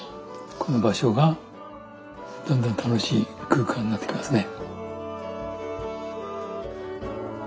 この場所がだんだん楽しい空間になってきますね。